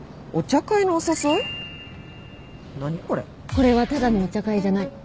これはただのお茶会じゃない。